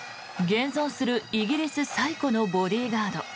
現存するイギリス最古のボディーガード